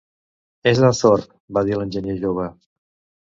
És d'en Thorpe, va dir l'enginyer jove.